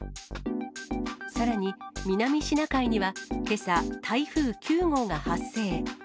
さらに南シナ海には、けさ、台風９号が発生。